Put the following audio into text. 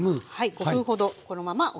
５分ほどこのままおきます。